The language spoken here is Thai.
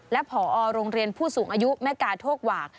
และผอโรงเรียนผู้สูงอายุแม่กาโทกหว่าก